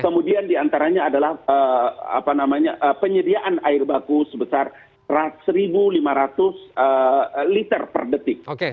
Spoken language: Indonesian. kemudian diantaranya adalah penyediaan air baku sebesar satu lima ratus liter per detik